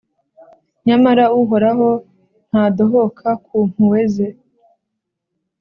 Nyamara Uhoraho ntadohoka ku mpuhwe ze,